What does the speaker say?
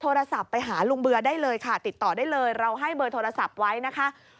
โทรศัพท์ไปหาลุงเบือได้เลยค่ะติดต่อได้เลยเราให้เบอร์โทรศัพท์ไว้นะคะ